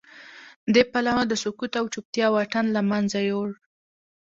دې پله د سکوت او چوپتیا واټن له منځه یووړ